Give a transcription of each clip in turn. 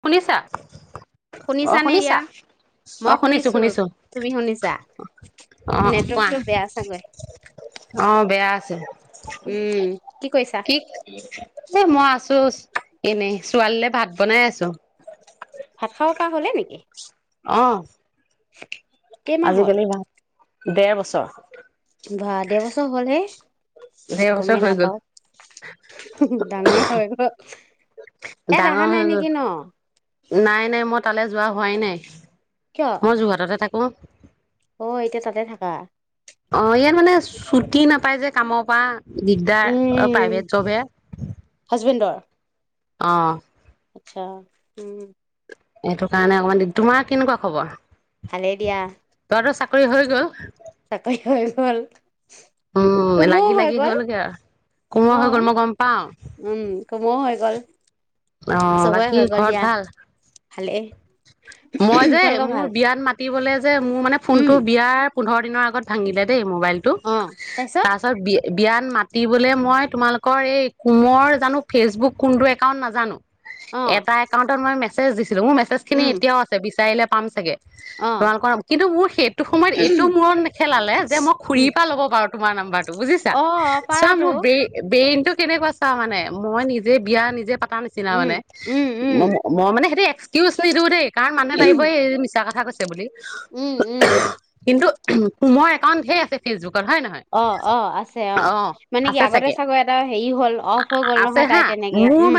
শুনিছা। অহ শুনিছানে এতিয়া? শুনিছা অহ শুনিছো শুনিছো তুমি শুনিছা? অহ কোৱা নেটৱৰ্কটো বেয়া চাগৈ। অহ বেয়া আছে উম, কৰিছা? কি। এ মই আছোঁ। এনেই ছোৱালীলে ভাত। বনাই আছোঁ। দিয়ক। ভাত খাব পৰা হ'লে নেকি? অহ। [inaudible] হ'ল? আজিকালি ভাত। ডেৰ বছৰ। বাহ দেৰ বছৰ হ'লেই। ডেৰ বছৰ গমেই হৈ গ'ল নাপাওঁ ডাঙৰে হৈ গ'ল। ইয়াত ডাঙৰ অহা হৈ নাই গ'ল নেকি ন? নাই, নাই মই তালৈ যোৱা হোৱাই নাই। কিয়? মই যোৰহাটতে থাকো। অ'। অ', এতিয়া তাতে থাকা? অ', ইয়াত মানে ছুটি নাপাই যে কামৰ পৰা। দিগদাৰ, উম, প্ৰাইভেট জৱ হে। হাজবেণ্ডৰ? অ। আচ্ছা, উম। এইটো কাৰণে অকমান দিগ, তোমাৰ কেনেকুৱা খবৰ? ভালে দিয়া। কৰি হৈ গ'ল। চাকৰি হৈ গ'ল। উম কুমুও হৈ লাগি-লাগি গ'ল। হলগৈ আৰু, কোমোৱা হৈ অ' গল মই গম পাও। উম, কুমুও হৈ গল অ', বাকী ঘৰত ভাল? ভালে। মই যে মোৰ বিয়াত মাতিবলে যে মোৰ মানে উম, ফোনতটো বিয়াৰ পোন্ধৰ দিনৰ আগত ভাঙিলে দেই মোবাইলটো অ' তাৰপিছত? তাৰপাছত বিয়ে বিয়াত মাতিবলে মই তোমালোকৰ এই কোমৰ জানো ফেচবুক কোনটো একাউণ্ট নাজানো। অ' এটা একাউণ্টত মই মেচ চে যি মোৰ মেছেজ খিনি উম। বিচাৰিলে পাম চাগে। অ তোমালোকৰ কিন্তু মোৰ সেইটো সময়ত এইটো মূৰত নেখেলালে যে মই উম খুৰীৰ পৰা ল'ব পাৰোঁ তোমাৰ নাম্বাৰত তো বুজিছা, অ চোৱা পাৰাতো মোৰ ব্ৰে ব্ৰেইন টো কেনেকুৱা চা মানে। মই নিজে বিয়া নিজে পাতা নিচিনা উম মানে, উম ম উম ম মই মানে সেইটো এক্সকিউজ নিদিওঁ দেই। তাৰ মানুহে ভাবিব এই ই মিছা কথা কৈছে বুলি উম উম কিন্তু কোমত একাউণ্ট ধেৰ আছে ফেচবুক অ' অ' আছে অ'। মানে কি, আছে আগতে চাগে চাগৈ এটা হেৰি হ'ল, অফ হৈ গ'ল নহয় তাই তেনেকৈ। উম।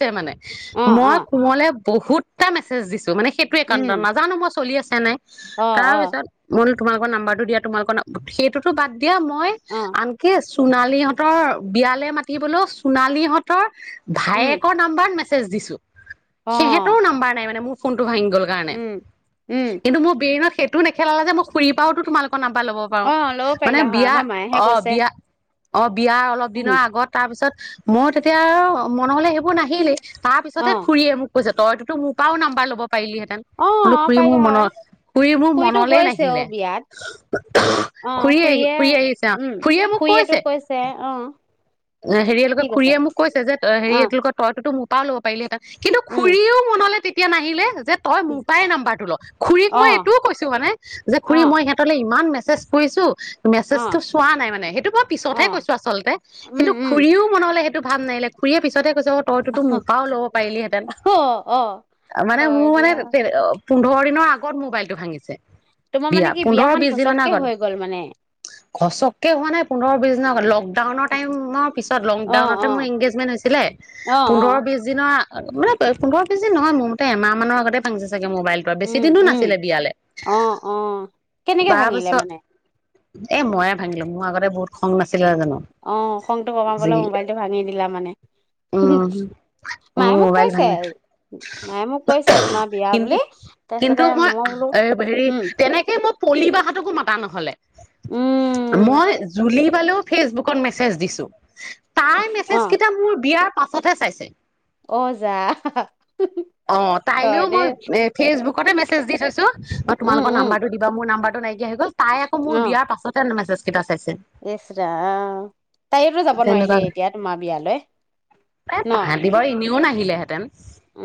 টোৱে মানে অ অ মই কোমলে বহুত তা মেছেজ দিছো ত মানে সেইটোয়ে কাৰণটো উম নাজানো মই চলি আছে ন নাই অ অ কচাৰ বল তোমালোকৰ নাম্বাৰটো দিয়া তোমালোকৰ সেইটোতো বাদ এতিয়া মই অ আনকি সোণালী হঁতৰ বিয়ালে মাতিবলৈও সোণালীহঁতৰ উম ভায়েকৰ নাম্বাৰত মে চেচ দিছোঁ। অ সেহেতৰও নাম্বাৰ মানে মোৰ ফোন টো ভাঙি গল কাৰণে উম উম কিন্তু মোৰ ব্ৰেইনত সেই তুমি নেখেলালে যে, মই খুৰি পাওতো তোমালোক। কৰ নাম্বাৰ ল'ব পাৰো অ ল'ব মানে পাৰিলা হয় বিয়া আমাৰ মায়েহে অ কৈছে বিয়া [unintelligible] বিয়াৰ অলপ দিনৰ উম আগত, তাৰপিছত। মোৰ তেতিয়া মনলে সেইবোৰ নাহিলেই। তাৰ অ পিছতহে খুুৰীয়ে মোক কৈছে তইতো [unintelligible] পাও নাম্বাৰ ল'ব পাৰিলিহেঁতেন অ বোলো খুুৰী পাৰিলা মোৰ হয় মনৰ খুুৰী মোৰ খুৰীটো মনলৈ গৈছে অ নাহিলে বিয়াত অ খুৰি আহি খুৰীয়ে খুৰি আহিছে অ উম খুৰীয়ে মোক খুৰীয়েতো কৈছে অ অ হেৰি একে খুৰীয়ে মোক কৈছে যে হেৰি অ এইটোলোকৰ তইোতো ম পালব পাই [inaudible] কিন্তু উম খুৰীও মনলৈ তেতিয়া এতিয়া নাহিলে যে তই মোৰ পৰাায় নাম্বাৰটো ল অ খুৰীক মই এইটোও কৈছো মানে যে খুৰী অ মই সিহঁতলৈ ইমান জাষ্ট শুইছোঁ। অ মেছেজটো চোৱা নাই মানে সেইটো মই অ পিছতহে কৈছো আচলতে। উম কিন্তু উম খুুৰীও মনত খালি সেইটো ভাব নাহিলে খুৰীয়ে পিছতহে কৈছে ক তইতোটো মোৰ পাও ল'ব পাৰিলিহেঁতেন। অ অ মানে হয় মোৰ মানে দিয়া তে অ পোন্ধৰ দিনৰ আগত মোবাইলটো ভাঙিছে। তোমাৰ বিয়া মানে কি পোন্ধৰ বিয়াখন ঘচককে হৈ গ'ল মানে। ঘচকে হোৱা নাই পোন্ধৰ বিশ দিনৰ আগত লকডাউন টাইমৰ পিছত অ লংডাউনতহে অ মোৰ এংগেজমেন হৈছিলে, অ অ পোন্ধৰ বিছ দিনৰ আ, আগ, মানে প পোন্ধৰ বিছদিন নহয় মোৰ ম এমাহ মানৰ আগতে ভাংসে চাগে মোবাইলটোৱেবেছি উম দিনো উম নাছিলে বিয়ালে, অ অ কেনেকে ভাঙিলে তাৰপিছত মানে এ ময়ে ভাঙিলুং, মোৰ আগতে বহুত খং নাছি ছিলাগ ন অ খংটো কমাবলৈ মোবাইলটো ভাঙি দিলা মানে উম মায়ে মোৰ মোক মোবাইল কৈছে ভাঙিলে মায়ে মোক কৈছে তোমাৰ বিয়া কিন্তু বুলি কিন্তু তাৰপিছতে মই বোলো উম অ' পলিবাহতকো মাতা নহলে। উম মই জুলি ালো ফেচবুতে ফেচ দিছো। তাইৰ অ মেছেজ কিটা মোৰ বিয়াৰ পাছ তাতহে চাইছে। অ যা অ হয় তাইলেও দেই মই ফেচবুকতে মেছেজ দি থৈছো উম তোমালোকৰ উম নম্বাৰটো দিবা মোৰ নাম্ব আৰু নাই। তি আহি গ'ল, তাই আকৌ মোৰ বিয়াৰ পাছতেহেন মেছেজ কেইটা চাইছে ইছ ৰাম। অহ, তাইতো যাব তেনেকুৱা নোৱাৰিলে এতিয়া তোমাৰ বিয়ালৈ, ন? হিলেহেঁতেন।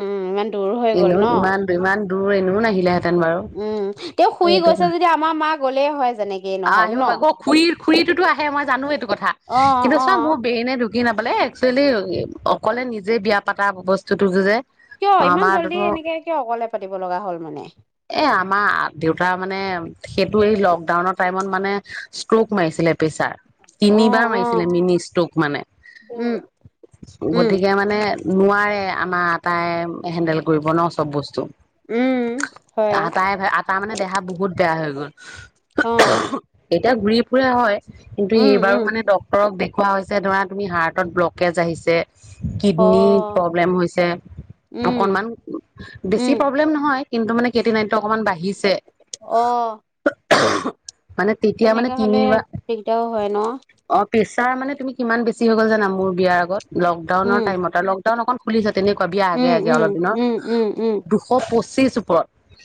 উম, ইমান দূৰ হৈ গ'ল ন? ত এনেও নাহিলে উম, তেওঁ শুই গৈছে যদি আমাৰ মা গ'লেই হয় যেনেকেই নহওক ন? খুৰীটোটো আহে, মই জানো এইটো কথা। ভা, অ কিন্তু অ চোৱা মোৰ বেইনে ধু কি নাপালে একচুৱেলি অকলে নিজে বিয়া পাতা বস্তুতটো যে কিয়? অ ইমান জল্দি আমাৰটোতো এনেকে কিয় অকলে পাতিব লগা হ'ল মানে? এ আমাৰ আ, দেউতা মানে সেইটো এই লকডাউনৰ টাইমত মানে ষ্ট্ৰক মাৰিছিলে প্ৰেছাৰ। অ তিনিবাৰ অ মাৰিছিলে মিনি ষ্ট্ৰক মানে উম উম গতিকে মানে নোৱাৰে আমাৰ আটাই হেণ্ডেল কৰিব ন? চব বস্তু। উম হয় আটাই আটা মানে দেহা বহুত বেয়া হৈ গ'ল অ'। এতিয়া ঘূৰি ফুৰাৰে হয় কিন্তু উম এই বাৰু উম মানে ডক্তৰক দেখো- কোৱা হৈছে ধৰা তুমি হাৰ্টত ব্লকেজ আহিছে। অ কিডনী প্ৰব্লেম হৈছে, উম অকনমান বেছি উম প্ৰব্লেম নহয়। কিন্তু মানে কেতি নাইনতটো অকমান বাঢ়ি। অ। অ হো তেনেকা হ'লে দিগদাৰও হয় ন। অফিচ। তাৰ মানে তুমি কিমান বেছি হৈ গ'ল জানা মোৰ বিয়াৰ আগত। লকডাউনৰ উম টাইমত তনঅকন খুলিছে। তেনেকুৱা বিয়া আগে উম আগে উম অলপ দিনৰ, উম উম উম দুশ পঁচিশ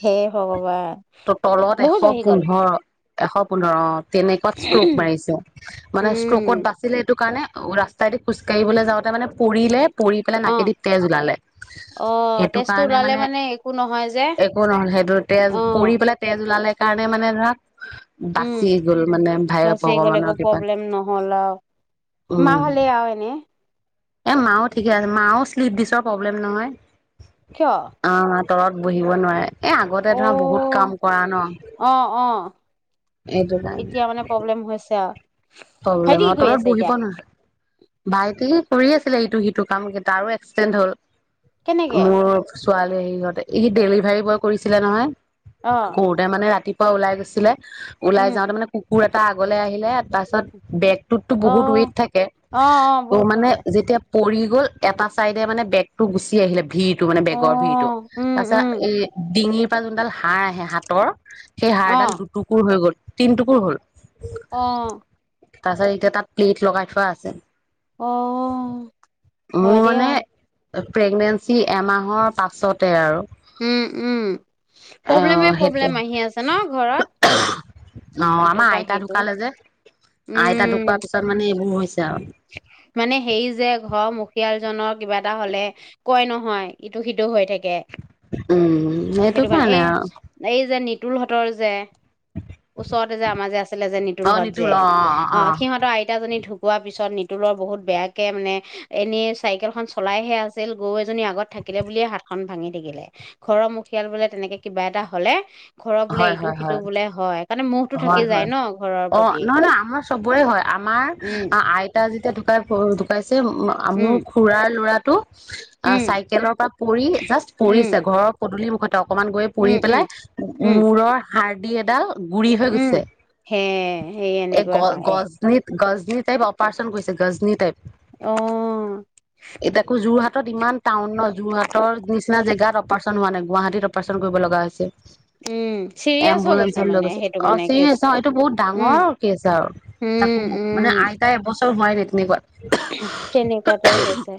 হে ভগৱান তলত এশ বহুত বাঢ়ি গ'ল পোন্ধৰশ। এশ পোন্ধৰ। তেনেকুৱাত ষ্ট্ৰপ মাৰিছে। মানে ষ্ট্ৰোকত উম বাচিলে এইটো কাৰণে। ৰাস্তাইদি খোজ কাঢ়িবলৈ যাওঁতে মানে পৰিলে। পৰি পেলে অ নাকেদি তেজ ওলালে। অ সেইটো তেজটো কাৰণে ওলালে মানে, একো নহয় যে একো নহল সেইটো তেজ পৰি অ', পেলে তেজ ওলালে। [unintelligible] কাৰণে মানে ধৰা। উম, বাচি গ'ল মানে ভাই ভগৱানৰ কৃপাত বোলে নহ'লে আউ মা ভালে উম আৰু এনে। এ মাও ঠিকে আছে, মাও শ্লিপ ডিচৰ প্ৰব্লেম নহয় কিয়? অ', তলত বহিব নোৱাৰে। এ আগতে ধৰা বহুত কাম অ', কৰা ন। অ', অ', এইটো কাৰণে। এতিয়া মানে প্ৰব্লেম হৈছে আৰু, তললৈ ভাইটি মই কি কৰি তলত আছে বহিব এতিয়া? নোৱাৰা, ভাইটি। কৰি আছিলে ইটো সিটো কাম কেইটা আৰু এক্সটেণ্ড হ'ল। কেনেকে? মোৰ ছোৱালী সিহঁতে, সি ডেলিভাৰী বয় কৰিছিলে নহয়। অ', কৰোতে মানে ৰাতি। অ, ওলাই গৈছিলে। ওলাই উম, যাওঁতেই মানে কুকুৰ এ তাই আগলৈ আহিলে পাছত। বেক। তাত টো বহুত ৱেইট অ', থাকে। অ মানে যেতিয়া পৰি গ'ল। এটা চাইডে মানে বেগটো গুচি আহিলে ভিৰ টো মানে অ', বেগৰ ভিৰতটো উম, তাৰ উম, পাছত এই ডিঙিৰ [inaudible] হাড়, হে হাতৰ সেই হাড়ডাল অ', দুটুকুৰ হৈ গ'ল। তিন টুকুৰ হ'ল। অঁ তাৰ পাছত এতিয়া তাত প্লেট লগাই থোৱা আছে। অঁ হয় মোৰ দিয়া। মানে প্ৰেগনেঞ্চি এমাহৰ পাছতে আৰু। উম উম অ প্ৰব্লেমে সেইটো প্ৰব্লেম আহি আছে ন ঘৰত। অ ইটো আমাৰ পৰা আইতা সিটো ঢুকালে যে আইতা উম। ঢুকুৱা পিছত মানে এই বোৰ হৈছে আৰু। মানে হেৰি যে। ঘৰৰ মুখিয়াল জনৰ কিবা এটা হলে, কয় নহয় ইটো সিটো হৈ থাকে। [unintelligible] সেইটো কাৰণে এই এই যে নিতুৰ হ [inaudible] ওচৰতে যে আমাৰ যে আছিলে, অ নিতুলহঁত যে নিতুল অ অ সিহঁতৰ আইতাকজনী ধু তাৰ পিছত নিতুলৰ বহু বেয়াকে মানে এনেই চাইকেলখন চলাইহে আছিল। গৰু এজনী আগত থাকিলে বুলিয়ে হাত খন ভাঙি থাকিলে। ঘৰৰ মুখিয়াল বোলে তেনেকে কিবা এটা হলে ঘৰৰ বোলে হয় ইটো হয় সিটো হয়, বোলে হয় কাৰণে মোহটো থাকি হয় যায় হয়, ন ঘৰৰ অ প্ৰতি নহয় নহয় আমাৰ চবৰে হয়, আমাৰ উম আই [inaudible] [unintelligible] যে মোৰ উম খুৰাৰ ল'ৰা অ উম চাইকেলৰ পৰা পৰি জাষ্ট উম পৰিছে। ঘৰৰ পদূলি অকনমান গৈয়ে পৰি উম উম পেলাই উম মুৰৰ হাড়ডি এদাল গুৰি হৈ উম গৈছে। সে সেই এই এনেকুৱা হয় [unintelligible] [unintelligible] টাইপ অপাৰেচন কৰিছে। গজননি টাইপ অহ এই টাকো যোৰহাট ইমান টাউনত, যোৰহাট নিচিনা জেগাত অপাৰচন হোৱা নাই। গুৱাহাটীত অপাৰেচন কৰিব লগীয়া হৈছে। উম চিৰিয়াচ হৈ এম্বুলেঞ্চত লৈ মানে গৈছে। সেইটো অ মানে চিৰিয়েছ, অ কেচটো এইটো মানে বহুত উম ডাঙৰ কেছ আৰু। তাকো উম মানে উম আইতা এবছৰ হোৱাই নাই। [inaudible] তেনেকুৱাতে হৈছে।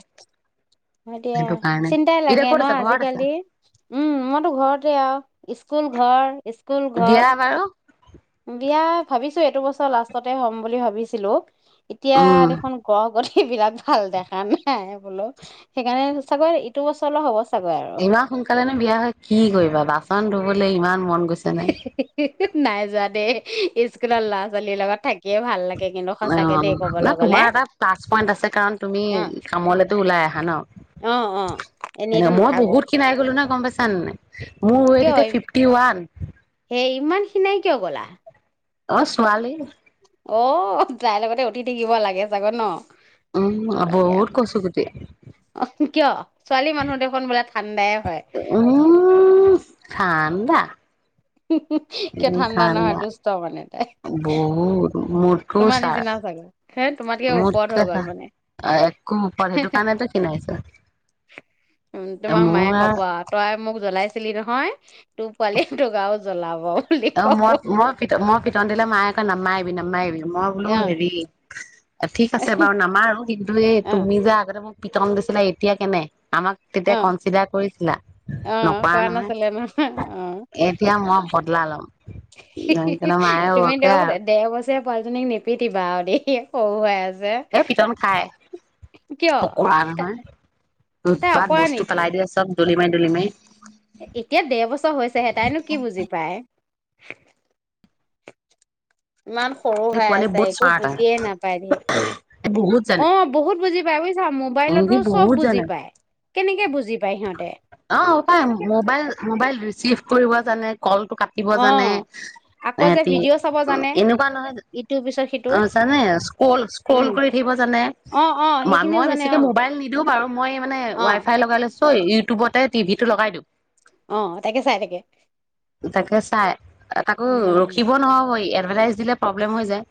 দিয়া সেইটো কাৰণে চিন্তাই এতিয়া লাগে ক'ত ন আছা ঘৰত আছা আজিকালি উম মইতো ঘৰতে আৰু স্কুল ঘৰ স্কুল বিয়া ঘৰ বাৰু বিয়া ভাবিছোঁ এইটো বছৰ লাষ্টতে হম বুলি ভাবিছিলো। এতিয়া উম দেখোন গ্ৰহগতি সেইবিলাক ভাল দেখা নাই বোলো সেইকাৰণে চাগৈ ইটো বছৰলৈ হ'ব। চাগৈ আৰু ইমান সোনকালেনো বিয়া হয় কি কৰিবা বাচ ন' ধুবলৈ ইমান মন গৈছে নে হি, হি, হি নাই যোৱা দেই স্কুলৰ ল'ৰা ছোৱালীৰ লগত। থাকিয়ে ভাল লাগে। কিন্তু অ', সঁচাকে দেই ন ক'বলৈ গ'লে তোমাৰ এটা প্লাছ পইন্ট আছে কাৰণ তুমি অ কামলেতো ওলাই আহা ন' অ অ এনেইতো এনেক মই নাথাকো বহুত খিনিাই গলো নহয় গম পাইছো। চান নাই মোৰ ওয়েত কিয় ফিফটি ওৱান। সেই ইমান খিনাই কিয় গ'লা। অ, ছোৱালী। অঁ তাইৰ লগতে উঠি থাকিব লাগে চাগ ন? উম হয় দিয়ক। বহুত কচু গুটি অ কিয় ছোৱালী মানুহ দেখোন বোলে [unintelligible] উম ঠাণ্ডা কিয় উ, নহয় ঠাণ্ডা দুষ্ট মানে তাই বহুত মোতকো তোমাৰ ছাৰ নিচিনা চাগৈ হে তোমাতকে ওপৰত হৈ মোতকে গ'ল চা মানে একো ওপৰত সেইটো কাৰণেতো সিনাইছো। উম তোমাক মায়ে ক'ব আও, তই মোক জ্বলাইছিলি নহয়, তোৰ পোৱালি তোক আৰু জ্বলাব। বুলি অ', ক'ব মই, মই পিত, মই প পিতন দিলে মায়ে কয় নামাইবি নামাইবি। মই বোলো অ হেৰি ঠিক আছে, বাৰু নামাৰো। কিন্তু এই অ', তুমি যে আগতে মোক পিতন দিছিলে এতিয়া কেনে। আমাক তেতিয়া অ', কনচিডাৰ কৰিছিলা। অ', নকৰা কৰা নহয় নাছিলে নহয় এতিয়া মই আলম হি হি হি তুমি দে আৰু দেয়া ব যে পোৱালীজনীক নিপিটিবা আৰু দেই সৰু হৈ আছে। এ পিটন খাই কিয় অকৰা নহয় তাই উতপাত অকৰা বস্তু নেকি? পেলাই দিয়া চব ডলিমাই, ডলিমাই এতিয়া দেৰ বছৰ হৈছে হে তাইনো কি বুজি পায় [inaudible] ইমান সৰু এই হৈ পোৱালি আছে বহুত একো স্মাৰ্ট হয় বুজিয়ে নাপায় দেই বহুত অ জানে বহুত বুজি ভাবিছোঁ বহুত জনে কেনেকে বুজি পায় সিহঁতে অ পায় মোবাইল মোবাইল চিফ কৰিব জানে কলটো কাটিব জানে অ', আকৌ যে সিহঁতি ভিডিঅ' চাব জানে এনেকুৱা নহয় জে ইটোৰ পিছত সিটো অ জানে ইছক্ৰল ইছক্ৰল উম, কৰি দিব জানে অ', অ', মানুহ সেইখিনিও জানে বেছি এই অ', মোবাইল নিদিও বাৰু মই মানে ৱাই অ', ফাই লগাই লৈছো ত ইউটিউবতে টিভি টো লগাই দিম অ তাকে চাই তাকে তাকে চাই তাকো ৰখিব নহব এয়াত। দিলে প্ৰবলেম হৈ যায়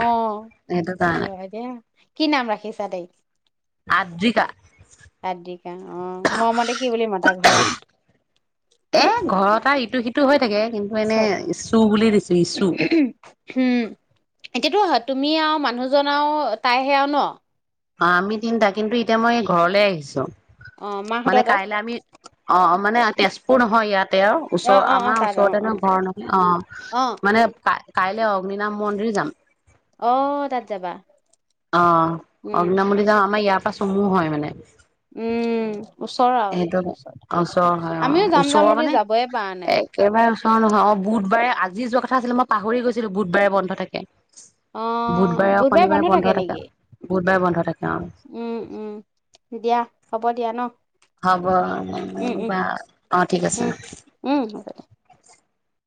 অহ সেইটো কাৰণে হয় দে কি নাম ৰাখিছা তাইক আদ্ৰিকা আদ্ৰিকা অ মৰমতে কি বুলি মাতা ঘৰত এ ঘৰত আৰু ইটো সিটো হৈ থাকে এনে চব ইছু বুলি দিছো ইছু উম এতিয়াতো তুমি আৰু মানুহজন আৰু তাইহে আৰু ন অ আমি তিনিটা কিন্তু এতিয়া মই ঘৰলে আহিছো। অ মানে মাহঁতৰ তাত কাইলে আমি অ মানে তেজপুৰ নহয় ইয়াত তেওঁৰ অ ওচৰ অ অ আমাৰ তাত অ ওচৰতে অ ন ঘৰ নহয় অ অ মানে কাইলৈ অগ্নি নাম মন্দিৰ যাম। অ তাত যাবা অ উম অগ্নামলি যাওঁ আমাৰ ইয়াৰ চমু হয় মানে উম ওচৰ আৰু সেইটো ওচৰ ওচৰৰ হয় অ আমিও যাম যাম ওচৰৰ বুলি মানে যাবই পৰা নাই একেবাৰে ওচৰৰ নহয় অ বুধবাৰে আজি যোৱা কথা আছিলে মই পাহৰি গৈছিলো বুধবাৰে বন্ধ থাকে অ বুধবাৰে আৰু শনিবাৰে বন্ধ থাকে বুধবাৰে বন্ধ থাকে অ উম উম দিয়া হ'ব দিয়া ন হব উম উম অ ঠিক আছে উম উম হ'ব